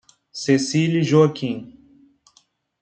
Cecília e Joaquim